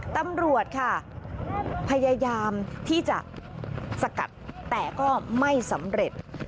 ตำรวจค่ะพยายามที่จะสกัดแต่ก็ไม่สำเร็จ